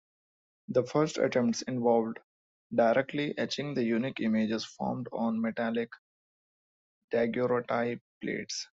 The first attempts involved directly etching the unique images formed on metallic Daguerreotype plates.